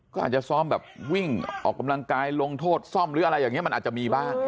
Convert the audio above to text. ก็อาจจะซ้อมแบบวิ่งออกกำลังกายลงโทษซ่อมหรืออะไรอย่างนี้มันอาจจะมีบ้าง